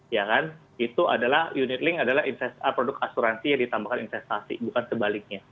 ya kan itu adalah unit link adalah produk asuransi yang ditambahkan investasi bukan sebaliknya